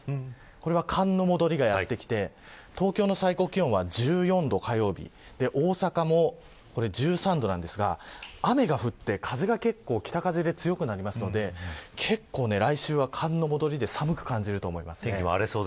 これは寒の戻りがやってきて東京の最高気温は１４度で大阪も１３度なんですが雨が降って北風が強くなるので来週は寒の戻りで寒く感じると思います。